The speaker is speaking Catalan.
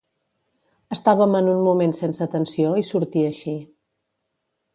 Estàvem en un moment sense tensió i sortí així.